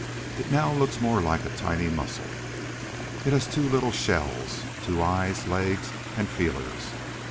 It now looks more like a tiny mussel. It has two little "shells," two eyes, legs, and feelers.